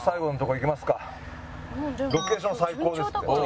ロケーション最高ですって。